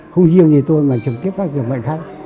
không riêng gì tôi mà trực tiếp các dường bệnh khác